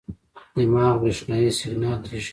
دماغ برېښنايي سیګنال لېږي.